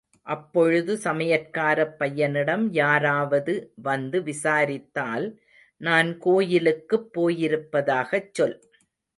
அப்பொழுது சமையற்காரப் பையனிடம், யாராவது வந்து விசாரித்தால் நான் கோயிலுக்குப் போயிருப்பதாகச் சொல்.